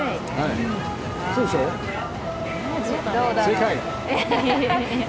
正解？